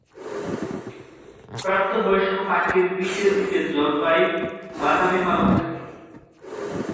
প্রাপ্তবয়স্ক পাখির পিঠের দিকে জলপাই-বাদামি পালক থাকে।